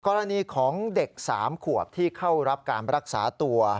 กรณีของเด็ก๓ขวบที่เข้ารับการรักษาตัว